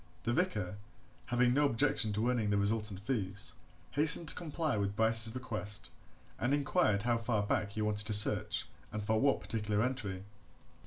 The vicar, having no objection to earning the resultant fees, hastened to comply with Bryce's request, and inquired how far back he wanted to search and for what particular entry.